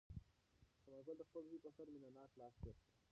ثمر ګل د خپل زوی په سر مینه ناک لاس تېر کړ.